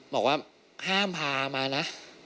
บอกว่าห้ามพามานะ